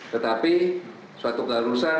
tetapi suatu keharusan